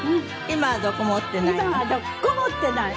今はどこも折ってない。